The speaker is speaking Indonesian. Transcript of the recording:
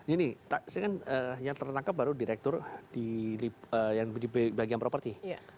ini saya kan yang tertangkap baru direktur di bagian properti